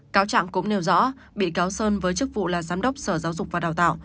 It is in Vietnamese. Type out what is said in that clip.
cáo trạng cũng nêu rõ bị cáo sơn với chức vụ là giám đốc sở giáo dục và đào tạo